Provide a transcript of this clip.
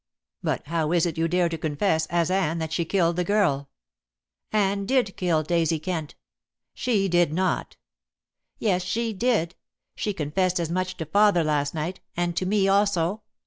But how is it you dare to confess, as Anne, that she killed the girl?" "Anne did kill Daisy Kent!" "She did not." "Yes, she did. She confessed as much to father last night, and to me also.